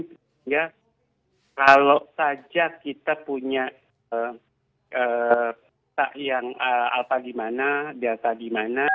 sehingga kalau saja kita punya yang apa gimana data gimana